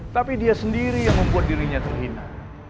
tapi dia sendiri yang membuat dirinya terhina